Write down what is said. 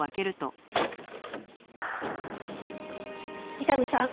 伊丹さん。